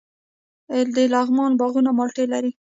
د لغمان باغونه مالټې لري.